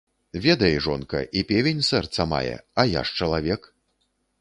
Ведай, жонка, і певень сэрца мае, а я ж чалавек.